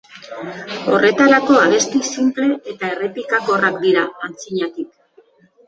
Horretarako abesti sinple eta errepikakorrak dira antzinatik.